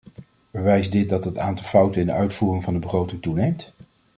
Bewijst dit dat het aantal fouten in de uitvoering van de begroting toeneemt?